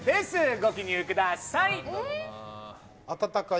ご記入ください。